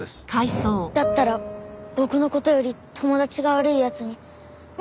だったら僕の事より友達が悪い奴に。